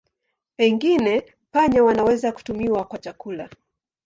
Pengine panya wanaweza kutumiwa kwa chakula.